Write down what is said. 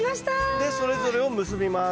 でそれぞれを結びます。